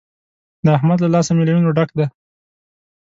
د احمد له لاسه مې له وينو ډک دی.